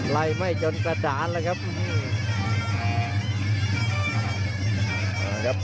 ไล่ไม่จนกระดานเลยครับ